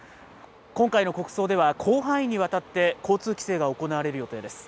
今回の国葬では、広範囲にわたって交通規制が行われる予定です。